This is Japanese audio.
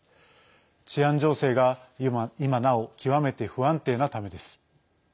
治安情勢が今なお極めて不安定なためです。